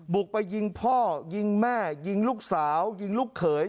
บุกไปยิงพ่อยิงแม่ยิงลูกสาวยิงลูกเขย